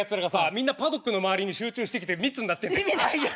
みんなパドックの周りに集中してきて密になってんだよ。